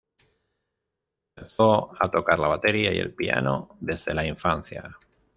Comenzó a tocar la batería y el piano desde la infancia.